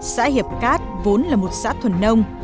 xã hiệp cát vốn là một xã thuần nông